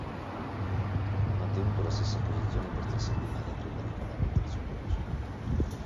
Ha mantenuto la stessa posizione per tre settimane prima di calare al terzo posto.